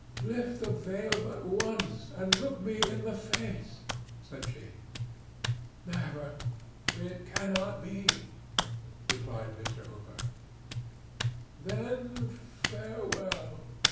"Lift the veil but once and look me in the face," said she. "Never! It cannot be!" replied Mr. Hooper. "Then farewell!"